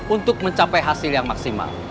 untuk mencapai hasil yang maksimal